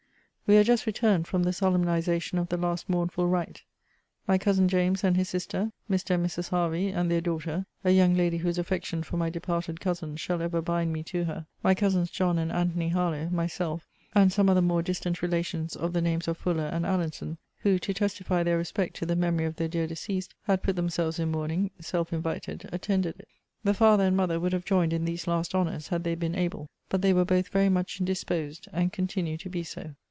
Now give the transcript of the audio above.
We are just returned from the solemnization of the last mournful rite. My cousin James and his sister, Mr. and Mrs. Hervey, and their daughter, a young lady whose affection for my departed cousin shall ever bind me to her, my cousins John and Antony Harlowe, myself, and some other more distant relations of the names of Fuller and Allinson, (who, to testify their respect to the memory of the dear deceased, had put themselves in mourning,) self invited, attended it. The father and mother would have joined in these last honours, had they been able; but they were both very much indisposed; and continue to be so.